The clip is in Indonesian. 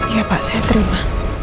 iya pak saya terima